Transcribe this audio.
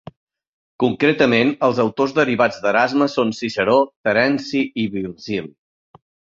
Concretament, els autors derivats d'Erasme són Ciceró, Terence i Virgili.